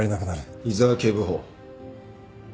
井沢警部補。